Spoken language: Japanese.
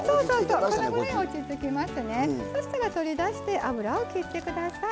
そしたら取り出して油を切ってください。